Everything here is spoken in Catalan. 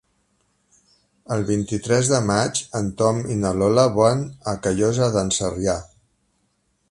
El vint-i-tres de maig en Tom i na Lola van a Callosa d'en Sarrià.